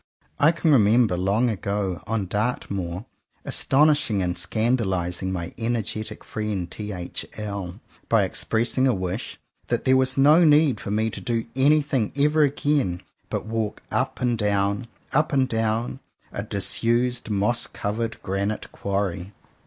I can remember long ago, on Dartmoor, astonishing and scandalizing my energetic friend T. H. L. by expressing a wish that there was no need for me to do anything ever again but walk up and down, up and down, a disused, moss covered granite quarry.